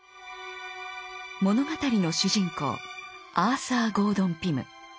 物語の主人公アーサー・ゴードン・ピム。